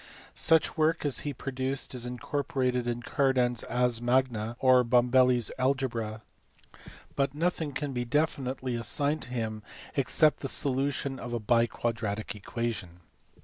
Such work as he produced is incorporated in Cardan s Ars Magna or Bombelli s Algebra, but nothing can be definitely assigned to him except the solution of a biquad ratic equation.